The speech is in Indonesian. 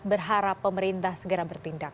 berharap pemerintah segera bertindak